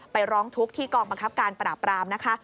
ร้องทุกข์ที่กองบังคับการปราบรามนะคะ